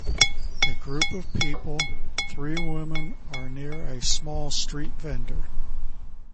A group of people, three women are near a small street vendor.